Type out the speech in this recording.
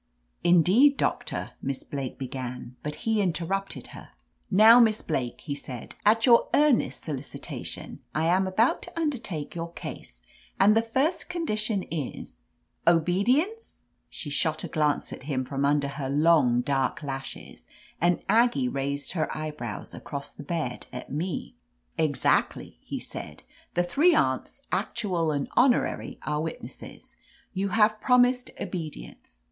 "Indeed, Doctor," Miss Blake began, but he interrupted her. "Now, Miss Blake," he said, "at your ear nest solicitation I am about to undertake your case, and the first condition is —" "Obedience?" She shot a glance at him 27 THE AMAZING ADVENTURES from under her long, dark lashes, and Aggie raised her eyebrows across the bed at me. "Exactly," he said. "The three aunts, ac tual and honorary, are witnesses. You have promised obedience.